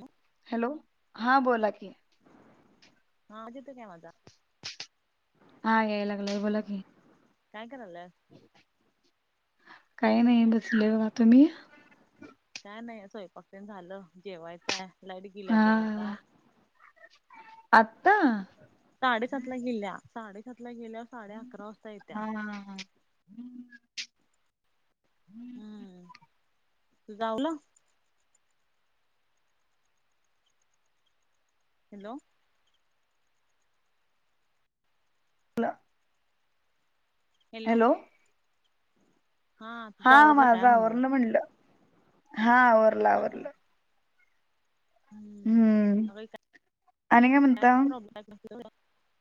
ह हॅलो. हां बोला की. आवाज येतो काय माझा? हा. याय लागलाय बोला की. काय करायलाय? काही नाही बसलोय. तुम्ही? काय नाही. स्वयपाक ते न झालं जेवायचंय. लाईट गेल्या हा बग आता आत्ता साडेसात ला गेल्या साडेसात ला गेल्यावर साडे अकरा वाजता येत्या हा हा हा हम्म तूज आवरल हॅलो. ला- हॅलो. हा तुझं हा आवरलं काय माझं आवरलं म्हणलं. हा आवरलं आवरलं. हम्म होय काय आणि काय म्हणता [unintelligible]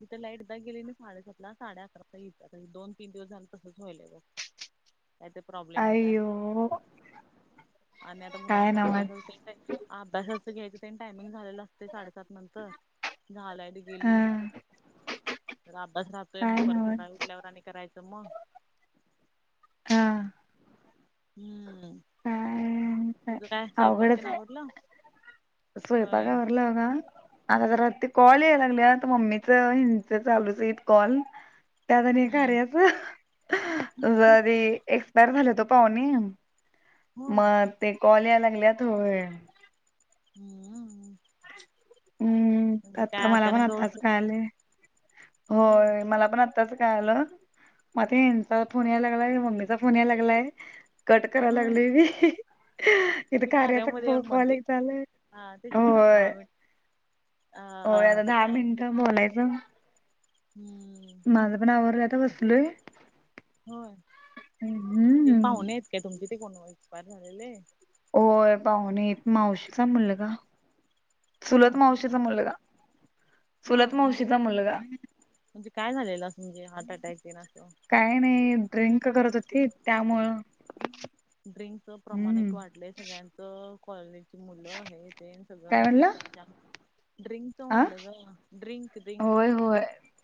तिथे लाईट एगदा गेली साडेसातला साडे अकरा येत्या दोन तीन दिवस झाले तसंच व्हाईलय काय तर प्रॉब्लेमच आहे अयो आणि आता काय मुलांच नवाज अभ्यासा अभ्यासाच घ्यायचं तेनी टायमिंग झालेलं असते साडेसात नंतर [unintelligible] हा गेली तर अभ्यास राहतोय मग काय परत नवाज सकाळी उठल्यावर आणि करायचं मग हा हम्म काय तुझं काय स्वयंपाक अवघडच तेन आवरलं आहे होय स्वयंपाकावरला बघा आता जरा ते कॉल याय लागले तर मम्मीच हिंच चालूच हाईत कॉल त्यात नाही हम्म कार्याच जरी एक्सपायर झाल तो पाहुणे होय मग ते कल या लागल्यात होय हम्म हम्म म्हणजे आता काय मला पण अचानक गवस आताच कळालय होय मला पण आता आताच का आलं म आत हेंचा फोन याय लागलाय मम्मीचा फोन याय लागलाय कट कराय होय लागलोय मी [unintelligible] इथ ते कार्याता कार्यामध्ये प काॅल मध्ये एक चालू हाय आ आता काय म्हणायचं हम्म माझं पण आवरलय आता बसलोय होय म्हणजे हम्म पाहुणे आहेत काय तुमचे ते कोण एक्सपायर झाले आहे होय पाहुणे आहेत मावशीचा मुलगा चुलत मावशी मावशीचा मुलगा हा चुलत म्हणजे मावशीचा मुलगा. म्हणजे काय झालेलं असं म्हणजे हार्ट अटॅक तेन असं काय नाही ड्रिंक करत होतीत त्यामुळं ड्रिंक प्रमाण एक हम्म वाढलंय सगळ्यांचं कॉलेजची मुलं हे तेन सगळं काय म्हणजे म्हणला ड्रिंकच आ म्हणल ग ड्रिंक ड्रिंक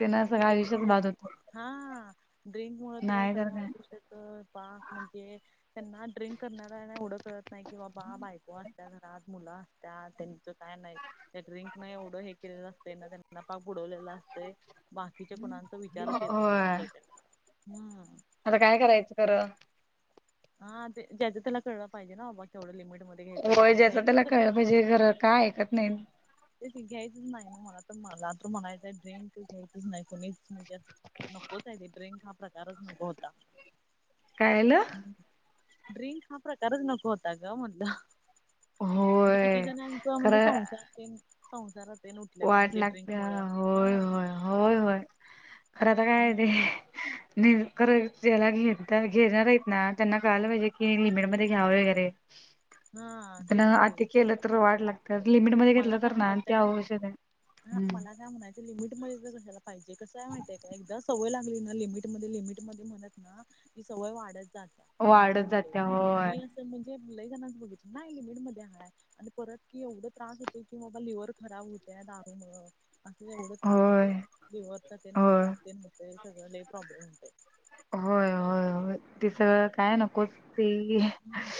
तेना सगळ ड्रिंक आयुष्यच मुळ बाद होतय हा ड्रिंक मुळ तर सगळं काय. आयुष्यच पाक म्हणजे त्यांना ड्रिंक करणाऱ्याना एवढं कळत नाही की बाबा बायको असत्या घरात मुलं त्या त्यांचं काय नाही त्या ड्रिंक न एवढं हे केलेलं असतय ना त्यांना पाक बुडवलेला असत ते बाकीच्या कुणांचा विचारच येत नाहीये होय डोक्यात आता काय करायचं खरं हा ते त्याचं त्याला कळलं पाहिजे ना बाबा तेवढं लिमिटमध्ये घ्यायचं होय काय ज्याच घ्यायचंच त्याला कशाला कळलं पाहिजे खर काय ऐकत नाही ते घ्यायच नाही ना मला तर मला तर म्हणायचंय ड्रिंक घ्यायच नाही कोणीच म्हणजे नकोच आहे ते ड्रिंक हा प्रकारच नको होता काय झालं ड्रिंक हा प्रकारच नको होता ग मधलं. म्हणजे किती होय जणांचा म्हणजे खरं संसार संसारात. ते उठल्यात ना वाट म्हणजे ड्रिंक लागत्या मु ह. होय होय होय होय खरं आता काय आहे ते. नाही खरं त्याला घ घेणार आहेत ना त्यांना कळलं पाहिजे कि लिमिटमध्येध्ये घ्यावं वगैरे. [inaudible] हा पण तेच की आती केलं तर वाट लागत्या लिमिटमध्ये मला घेतलं काय तर ना ते म्हणायचंय अवश हा मला काय म्हणायचं लिमिट मध्ये तर कशाला पाहिजे कसंय माहितीय का एकदा सवय लागली ना लिमिट मध्ये लिमिट मध्ये म्हणत ती सवय वाढत जात असं वाढत होत जात्या होय म्हणजे लई जणच बघाच नाही लिमिट म हाय आणि परत की एवढं. त्रास होतो की बबा लिव्हर खराब होत दारूमुळ. असे तेवढे त्रास होते होय लिवरचा तेल होय खराब तेल होते सगळं प्रॉब्लेम होते. होय होय होय ते सगळं काय नकोच. ते हम्म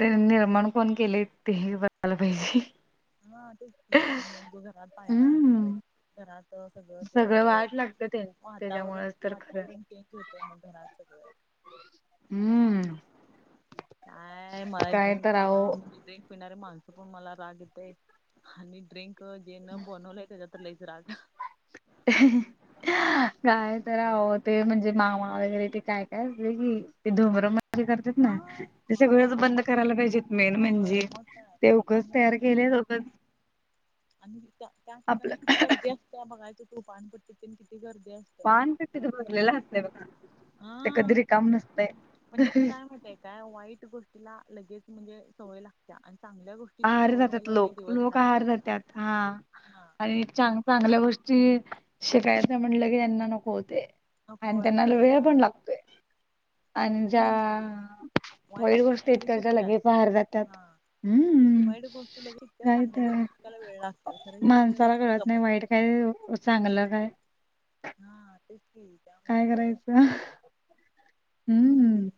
ते निर्माण कोण केले ते बघलं पाहिजे. ह ते. आणि मग त घरात पायताय म्हणजे हम्म. घरात सगळं ते. ते. वातावरण त्याच्यामुळेच तर खरं वातावरण केक होतय मग घरात सगळं. हम्म. काय मला काय ड्रिंक तर खा आहो म ड्रिंक. पिणारे माणसं पण मला राग येते आणि ड्रिंक जेन बनवलंय त्याच्यात लईच राग. काय तर आहत. ते म्हणजे मामा वगैरे ते काय काय अस की ते धुमर म्ह. करतात हा ना ते सगळंच मावा बंद करायला पाहिजेत मेन होय म्हणजे. मग काय तेवगंच आणि तयार केलेगं. आणि त्या त्या ठिकाणी आपलं किती गर्दी असते बघायच तोफान पद्धतीने किती गर्दी असते. पान प्ट भरलेलं असतय बघ ते हा कधीरी काम नसतय. म्हणजे कसं आहे माहितय काय वाईट गोष्टीला लगेच म्हणजे सवय लागत आणि चांगल्या गोष्टी. आहार जातात लोक लोक आहार जातात हा. हा. आणि चांग चांगल्या गोष्टी शिकायत नाही म्हटलं की त्यांना नको होते. नको आणि त्यांनाला वाटतय वेळ हा पण लागतोय. आणि ज्या हम्म वाईट गोष्टी इतक्याच्या लगेच बाहेर जातात. हम्म वाईड गोष्टी लगे इतक्या काय चांगल्या तर गोष्टीला वेळ लागतात खरं हे माणसाला कळत नाही जमत. वाईट काय चांगलं काय. हा तेच ते. काय करायचं. हम्म हम्म.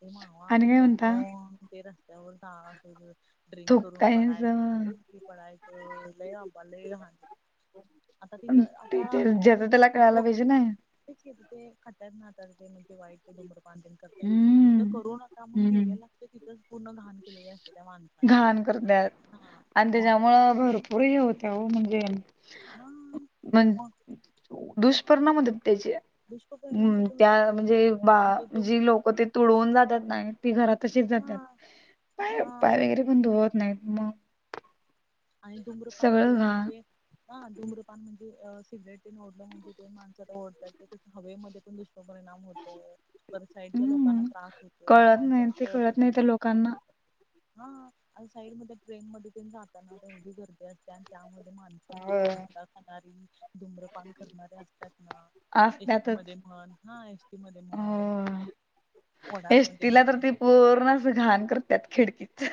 ते मावा आणि काय गुटका म्हणता कन ते रस्त्यावर जा असेल तर. ड्रिंक थूक करून कायच पडायचं ते पडायचं लय अबा लय हान. आता तिथं आता डिटेल आता ज्याचं तिथं त्याला कळायला तुको. पाहिजे ना ेत ते खत्यार नातात ते म्हणजे वाईट ते डमर पा. तिथं हम्म करू नका म्हणून हम्म दिव्या लागते तिथंच पूर्ण घहण केलेले असते त्या माणसाने. हा अंत मग जमुळे. आबर. पुही होत्या हो म्हणजे. म. मण दुष्पिणामदत त्याची. विष्प. हम् त्या म्हणजे बा जी लोक ते तुडवून जातात नाही ती घरातशीच जातात. हा पाय हा पाय वगैरे पण धुवत नाहीत मग. आणि धुम्रपान सगळं केलं घाण म्हणजे हा धुम्रपान म्हणजे अ सिगरेट पण ओढलं म्हणजे ते माणसात ओढतात ते हवेमध्ये पण दुष्प परिणाम होतात. पण साईडच्या हम्म लोकांना त्रास होतो ह्या माणसाना कळतच नाय. काना. हा आता साईड म ट्रेन म पण जाताना उभी करते असते आणि त्यामध्ये मान. मावा होय. भुटका खणारी धुम्रपान करणारे असतात ना. एसटी असत्यातच मध्ये म्हण हा एसटी म म्हण. ओढाफ मध्ये एस्टीला तर म्हण ते पूर्ण अस घाण करत्यात खिडकीत.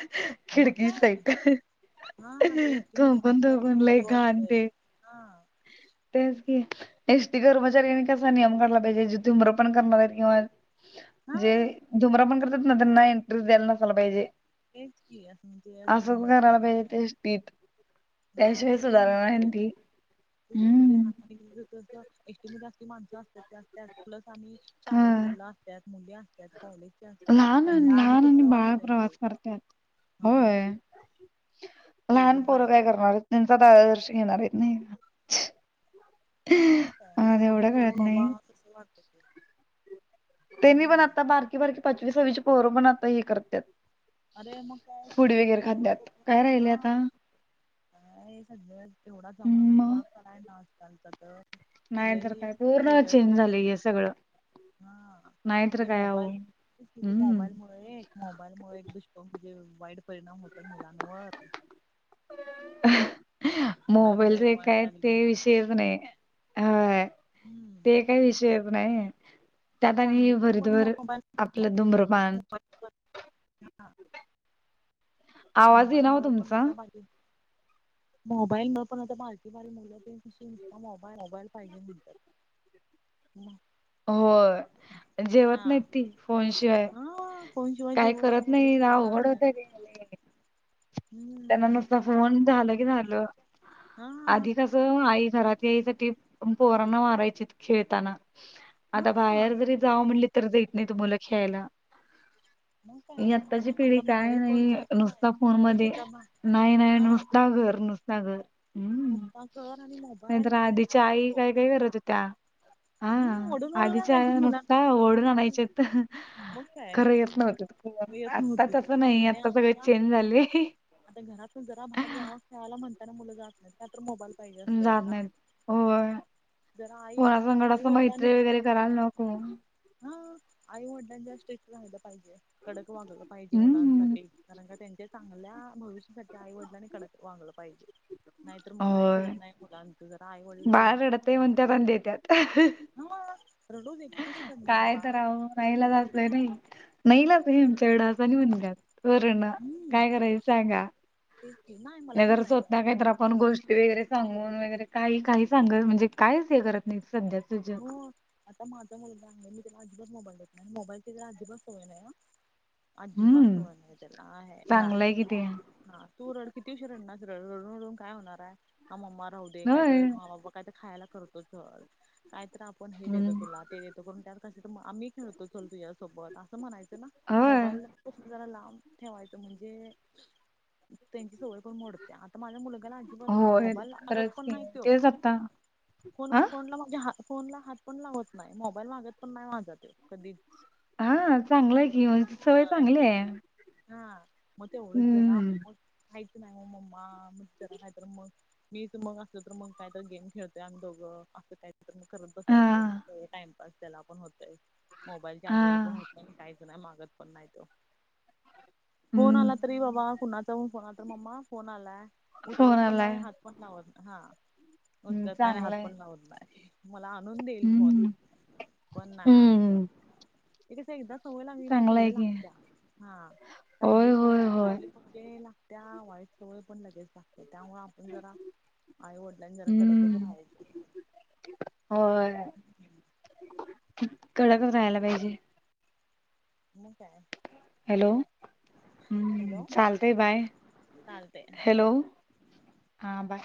मग खिडकी काय साईड हा ते एसटी थुंकून थुंकून लय घाण ते. हाआआ. तेच की. एसटी कर्मचाऱ्यांनी कसा नियम काढला पाहिजे जी धुम्रपान करणाऱ्यांनी आत जे हा धुम्रपान करतात ना त्यांना इनटरीच नसायला द्यायला पाहिजे. तेच की असं म्हणजे असं असंच धुम्रपान कराला पाहिजे ते एसटीत. हा किती घाण करतायेत. हम्म [unintelligible] प्लस आम्ही हा शाळेची मुलं असत्यात मुली असत्यात कॉलेज त लहान त्यांना आणि लहान कसं बाळ वाटतय ते प्रवास करत्यात हा मग. होय. लहान लेडीज पोरं बायक काय करणार आहेत त्यांचा आर्दश घेणार आहेत नाही. हा आणि काय मला बघू एवढं बघू कळत बाबा नाही तस वाटत ते. त्यांनी पण हम्म आता बारकी बारकी पाचवी साहावीचे पोरं पण आता हे करत्यात. अरे मग काय फूड सगळ्यात वगैरे बघून बघून खात्यात काय होतय राहिले ना. आता अ सगळ्या तेवढा जमाना मग खराब झालायना आजकालचा तर. नाही तर लई काय अस पूर्ण चेंज बिघडलय झालंय सगळ. हे सगळं हा नाहीतर ते काय अहो मोबाईल किती हम्म मोबाईलमुळे. मोबाईलमुळे एक दुष्परिणाम म्हणजे वाईट परिणाम होतात मुलांवर. मोबाईल मुळे एक रे वाट काय ते लागलंय विष तेच नाही हा हम्म ते काही विषयच नाही. त्यात आणि चांगलं पण भरीतभर आपलं धुम्रपान. हा आवाज येईना ओ मोबाईलमुळे पण तुमचा आता माझी मोबाईलमुळे पण आता बारकीबारकी मुलं पण कशी आता मोबाईल मोबाईल पाहिजे म्हणतात. मग. होय जेवत नाही ती फोनशिवाय. हा फोन शिवाय जेवत नाही ती एवढी सवय अवघड लागलाय. होतंय ते त्यांना नुसता फोन झालं की झालं हा आधी कस- आई घरात यायसाठी पोरांना मारायची खेळताना. आता हा बाहेर जरी जाव म्हणली तरी जात नाही मुल खेळायला. मग ही काय आताची पिढी आता काय बाहेर कोण नाही जात नाही नुसता फोन तेच मध्ये आता नाही नाही हा नुसता घर नुसता घर हम्म नुसता घर आणि मोबाईल नाहीतर आणि बाहेर आधीच्या आई नको काय काय करत होत्या. हा हम्म ओढून ओढून आधीच्या आणायची आया नुसत्या मुलांना ओढून आणायच्या. मग काय खरं येत मी नव्हत येत आता नव्हती तसं नाही आता सगळे चेंज झाले. आता घरात जरा बाहेर जाव खेळायला म्हणत. का तर मुलं जात नाही का तर मोबाईल पाहिजे असतो जात यांना. नाहीत होय. जरा कोणासंगड आई असं वडलांनी मैत्री वगैरे करायला नको. हा आईवडलांनी स्ट्रीक राहिलं पाहिजे कडक वागलं पाहिजे हम्म. मुलांसाठी. कारण का त्यांच्या चांगल्या भविष्यासाठी आईवडिलांनी कडक वाांगलं पाहिजे. नाही तरर मग काय खर होय नाही मुलांच जरा आई वडील प्रेम बाळ रडतय हां म्हणत्यात आणि देत्यात. रडू दे किती अश रडणार आहे काय बाळं? नाई ला [unintelligible] हम्म काय करायचं सांगा? तेच की नाही मला काय [unintelligible] माहिती आहे स्वतः घेता पण गोष्टी वगैरे सांगून वगैरे काही काही सांगत म्हणजे कायच हे करत नाही सध्या हो आता माझा मुलगा आहे मी त्याला अजिबात मोबाईल देत नाही मोबाईलची त्याला अजिबात सवय नाही हां. अजिबात हम्म त्याला सवय नाय ना चांगलंय कि ते ह तू रड. किती उशीर रडनार रडून रडून काय होणार आहे मम्मा राहू दे होय कायतरी कायतरी खायला करतोच. काय तर आपण हे देतो हम्म तुला. ते देतो करून आम्ही खेळतो चल तुझ्यासोबत असं म्हणायचं. त्यांना होय. मोबाईल पासून जरा लांब ठेवायचं म्हणजे. त्यांची सवय पण मोडत्या आता माझ्या मुलगाला आजिबात नाही होय मोबाईल ला मागत खरंच पण की नाई त्यो. तेच आता फोन हा फोनला माझ्या हात फोन ला हात पण लावत नाय मोबाईल मागत पण नाही माझा तो कधीचं. हां चांगलंय की मग सवय चांगलीय. हा म ते ओरडत जाणार हाय की नाय ओ मम्मा म जरा नायतर मंग? मी इंथ मग असलं तर मग काय तर गेम खेळतोय आम्हीं दोघं असं काय तर मग करंत हा बसायचं टाइम पा त्याला पण होतय मोबाईलची हा आठवण पण होत काहीच नाही मागत पण नाही त्यो. फोन हम्म आला तरी बाबा कुणाचा म्हणू फोन आला तर मम्मा फोन आलाय उचलत फोन पण आलाय नाही हात फोन लावतं हां हम्म उचलत नाई आणि हात चांगलाय पण लावत नाय मला आणून देईल फोन हम्म पण नाय असलं. हम्म ते कस एकदा सवय लागली न सवय चांगलाय की लागत्या, हां होय चांगली होय सवय होय लावली. ते लागत्या वाईट सवय पण लगेच लागत्या त्यामुळें पण जरा आई वडीलांनी जरा कडकच हम्म राहायचं होय कडकच राहायला पाहिजे. म काय? हॅलो हम्म चालतंय बाय. चालते हां बाय. हां बाय.